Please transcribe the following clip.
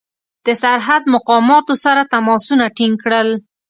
د سرحد مقاماتو سره تماسونه ټینګ کړل.